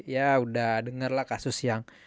ya udah denger lah kasus yang